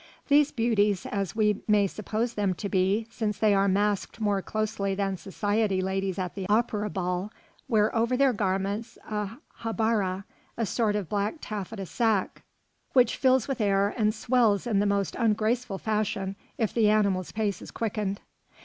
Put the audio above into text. These beauties, as we may suppose them to be, since they are masked more closely than society ladies at the Opera ball, wear over their garments a habbarah, a sort of black taffeta sack, which fills with air and swells in the most ungraceful fashion if the animal's pace is quickened.